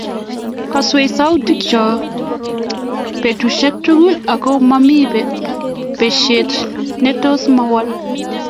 Kaswech sautik chok betushek tukul ako momii beshet netos mawol